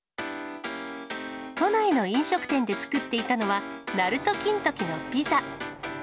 都内の飲食店で作っていたのは、なると金時のピザ。